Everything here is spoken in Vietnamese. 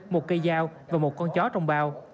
một cây dao và một con chó trong bao